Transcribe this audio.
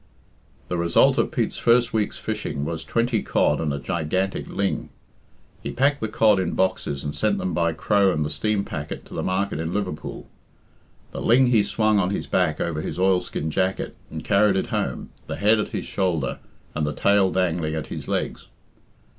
The result of Pete's first week's fishing was twenty cod and a gigantic ling. He packed the cod in boxes and sent them by Crow and the steam packet to the market in Liverpool. The ling he swung on his back over his oilskin jacket and carried it home, the head at his shoulder and the tail dangling at his legs.